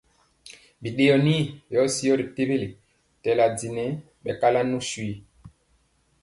Biɗeyɔ ii syɔ ri tewele tɛla di nɛ ɓɛ kala nu swi.